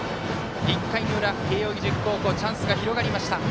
１回の裏、慶応義塾高校チャンスが広がりました。